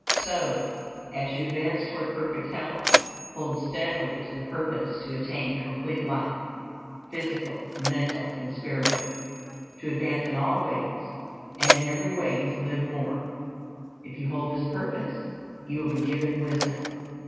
So, as you advance toward perfect health, hold steadily to the purpose to attain complete life, physical, mental, and spiritual; to advance in all ways, and in every way to live more; if you hold this purpose you will be given wisdom.